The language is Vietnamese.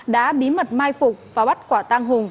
đã bí mật mai phục và bắt quả tang hùng